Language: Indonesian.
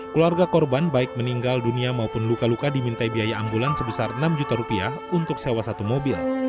keluarga korban baik meninggal dunia maupun luka luka dimintai biaya ambulan sebesar enam juta rupiah untuk sewa satu mobil